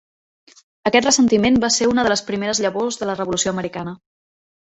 Aquest ressentiment va ser una de les primeres llavors de la Revolució americana.